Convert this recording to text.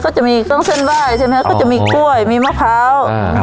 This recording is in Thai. ก็จะมีต้องเส้นไบ้ใช่ไหมฮะก็จะมีกล้วยมีมะพร้าวอ่า